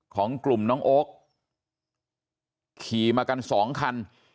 ของกลุ่มน้องโอ๊คขี่มากันสองคัน